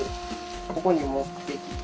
ここに持ってきて。